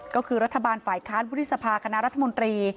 ก็คือรัฐบาลฝ่ายค้านวุฒิสภาคณะรัฐมนตรี